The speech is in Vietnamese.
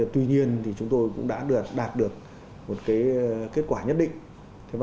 tuy nhiên chúng tôi cũng đã đạt được một kết quả nhất định